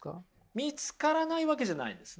見つからないわけじゃないんですね。